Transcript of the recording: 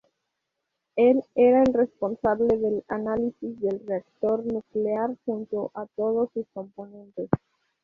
Él era el responsable del análisis del reactor nuclear junto a todos su componentes.